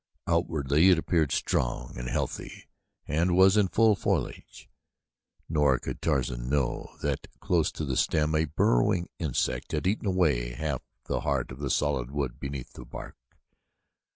Outwardly it appeared strong and healthy and was in full foliage, nor could Tarzan know that close to the stem a burrowing insect had eaten away half the heart of the solid wood beneath the bark.